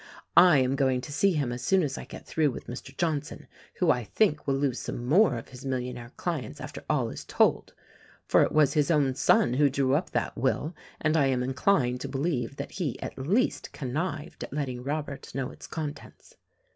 "I am going to see him as soon as I get through with Mr. Johnson, who I think will lose some more of his millionaire clients after all is told; for it was his own son who drew up that will, and I am inclined to believe that he at least connived at letting Robert know its contents.